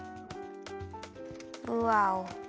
うわお。